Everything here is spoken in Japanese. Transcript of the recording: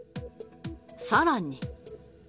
さらに。